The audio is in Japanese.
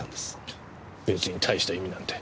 別にたいした意味なんて。